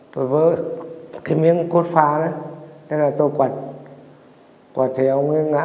tôi vỡ cái miếng cốt pha đấy